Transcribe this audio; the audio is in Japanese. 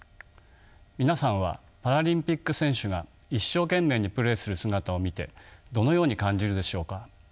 皆さんはパラリンピック選手が一生懸命にプレーする姿を見てどのように感じるでしょうか？